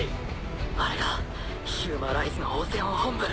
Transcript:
あれがヒューマライズのオセオン本部。